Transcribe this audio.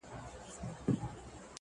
ستا له پوره به مي کور کله خلاصېږي-